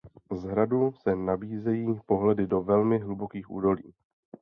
Z hradu se nabízejí pohledy do velmi hlubokých údolí.